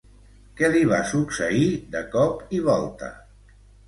Què li va succeir de cop i volta?